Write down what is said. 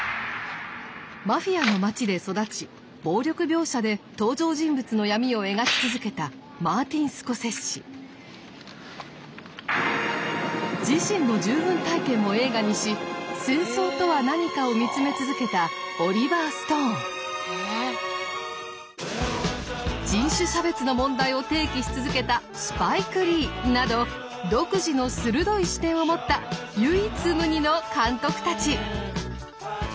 マフィアの街で育ち暴力描写で登場人物の闇を描き続けた自身の従軍体験を映画にし戦争とは何かを見つめ続けた人種差別の問題を提起し続けたスパイク・リーなど独自の鋭い視点を持った唯一無二の監督たち。